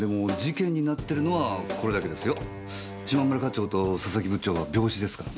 嶋村課長と佐々木部長は病死ですからね。